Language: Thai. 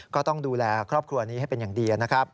ก็ต้องดูแลครอบครัวนี้ให้เป็นอย่างดีนะครับ